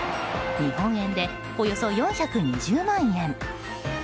日本円でおよそ４２０万円。